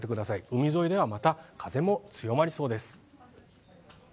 海沿いではまた風も強まりそうです。